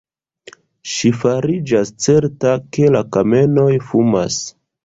Ŝi fariĝas certa, ke la kamenoj fumas.